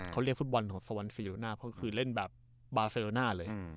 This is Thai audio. เขาเรียกฟุตบอลของสวรรค์ซีโรน่าเพราะคือเล่นแบบบาเซลน่าเลย